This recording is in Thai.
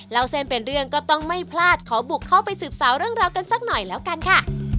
เล่าเส้นเป็นเรื่องก็ต้องไม่พลาดขอบุกเข้าไปสืบสาวเรื่องราวกันสักหน่อยแล้วกันค่ะ